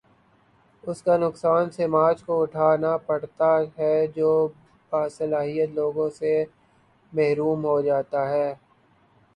اس کا نقصان سماج کو اٹھا نا پڑتا ہے جو باصلاحیت لوگوں سے محروم ہو جا تا ہے۔